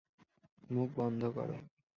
মুখ বন্ধ করো।